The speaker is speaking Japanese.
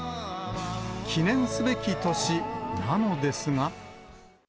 記念すべき年なのですが。